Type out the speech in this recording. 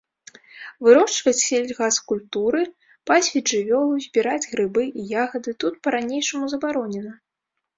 Вырошчваць сельгаскультуры, пасвіць жывёлу, збіраць грыбы і ягады тут па-ранейшаму забаронена.